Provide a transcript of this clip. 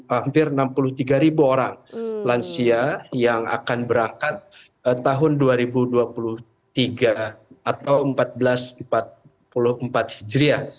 hampir enam puluh tiga ribu orang lansia yang akan berangkat tahun dua ribu dua puluh tiga atau seribu empat ratus empat puluh empat hijriah